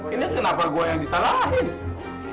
ini kenapa gue yang disalahin